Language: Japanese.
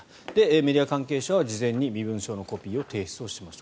メディア関係者は事前に身分証のコピーを提出しました。